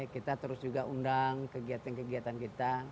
kita terus juga undang kegiatan kegiatan kita